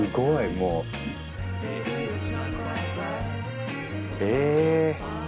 もう。え。